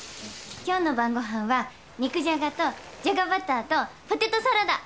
今日の晩ご飯は肉じゃがとじゃがバターとポテトサラダ！